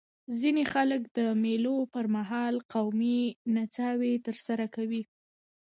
ځيني خلک د مېلو پر مهال قومي نڅاوي ترسره کوي.